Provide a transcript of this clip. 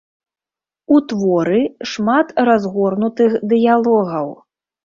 У творы шмат разгорнутых дыялогаў.